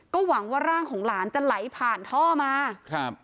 ก็หวังว่าร่างของหลานจะไหลผ่านท่อมาครับ